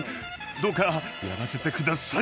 どうかやらせてください！